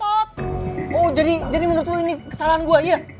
oh jadi menurut lo ini kesalahan gue iya